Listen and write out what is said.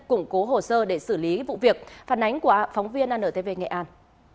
củng cố hồ sơ để xử lý vụ việc phản ánh của phóng viên antv nghệ an